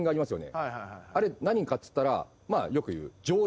あれ何かっつったらよく言う。